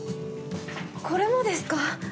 これもですか？